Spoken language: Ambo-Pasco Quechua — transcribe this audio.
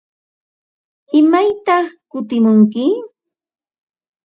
¿Imaytaq kutimunki?